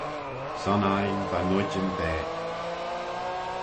Son ain, va noidyn da.